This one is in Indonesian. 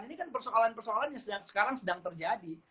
ini kan persoalan persoalan yang sekarang sedang terjadi